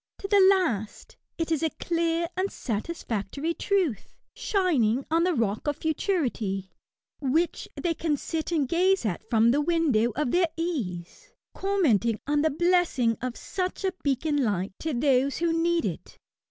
To the last, it is a clear and satisfactory truth, shining on the rock of futurity, which they can sit and gaze at from the window of their ease, commenting on the blessing of such a beacon light to those who need it.